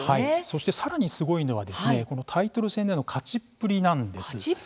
そして、さらにすごいのはこのタイトル戦での勝ちっぷりなんです。